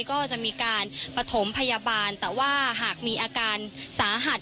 ก็จะมีการปฐมพยาบาลแต่ว่าหากมีอาการสาหัส